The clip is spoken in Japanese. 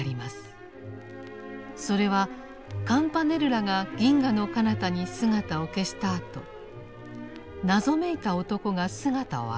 それはカムパネルラが銀河のかなたに姿を消したあと謎めいた男が姿を現し